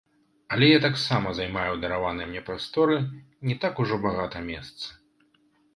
Але я таксама займаю ў дараванай мне прасторы не так ужо багата месца.